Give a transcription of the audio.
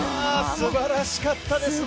すばらしかったですね。